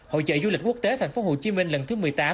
hội trợ du lịch quốc tế tp hcm lần thứ một mươi tám